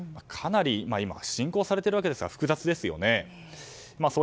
かなり進行されていますが複雑ですよね。